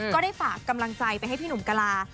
ก็ได้ฝากกำลังใจไปให้พี่หนุ่มกะลา